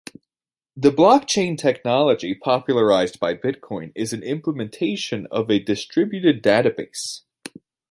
The blockchain technology popularised by bitcoin is an implementation of a distributed database.